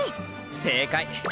正解！